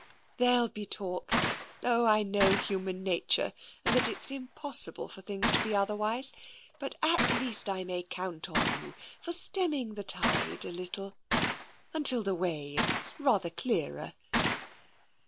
... There'll be talk — oh, I know human nature, and that it's impossible for things to be otherwise — but at least 198 TENSION I may count upon you for stemming the tide a little, until the way is rather clearer.